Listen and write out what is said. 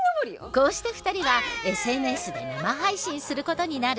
こうして二人はＳＮＳで生配信することになる。